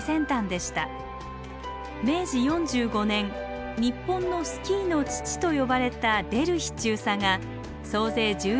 明治４５年「日本のスキーの父」と呼ばれたレルヒ中佐が総勢１１名を引き連れ山